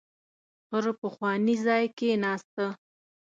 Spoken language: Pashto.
پر پخواني ځای کېناسته.